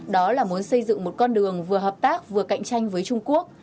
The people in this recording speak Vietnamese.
đó là muốn xây dựng một con đường vừa hợp tác vừa cạnh tranh với trung quốc